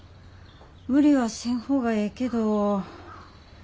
無理はせん方がええけど。